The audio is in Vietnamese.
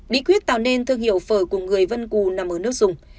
bí quyết tạo nên thương hiệu phởi của người vân cù nằm ở nước dùng